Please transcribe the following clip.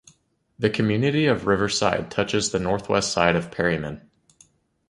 The community of Riverside touches the northwest side of Perryman.